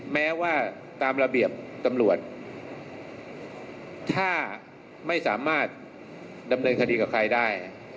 แม้ว่าตามระเบียบตำรวจถ้าไม่สามารถดำเนินคดีกับใครได้